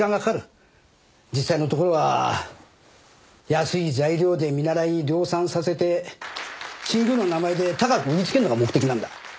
実際のところは安い材料で見習いに量産させて新宮の名前で高く売りつけるのが目的なんだ。